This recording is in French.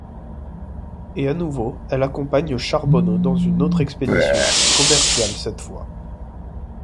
Et à nouveau elle accompagne Charbonneau dans une autre expédition, commerciale cette fois.